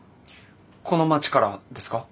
この町からですか？